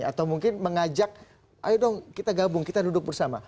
atau mungkin mengajak ayo dong kita gabung kita duduk bersama